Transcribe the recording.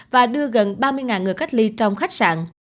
và đưa gần ba mươi người cách ly trong khách sạn